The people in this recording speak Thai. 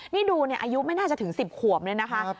นี่ดูอายุไม่น่าจะถึง๑๐ขวบเลยนะคะ